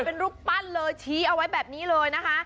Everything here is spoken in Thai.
เป็นรูปปั้นเลยชี้เอาไว้แบบนี้เลยนะคะ